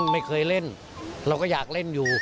ไม่เคยเล่นเราก็อยากเล่นอยู่